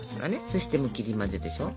そしてもう切り混ぜでしょう。